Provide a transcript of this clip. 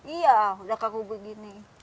iya udah kaku begini